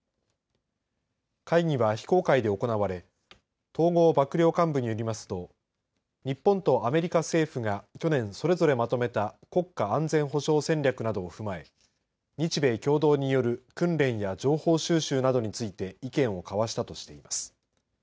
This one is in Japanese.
会議は非公開で行われ統合幕僚監部によりますと日本とアメリカ政府が去年それぞれまとめた国家安全保障戦略などを踏まえ日米共同による訓練や情報収集などについて意見を交わしたとしています。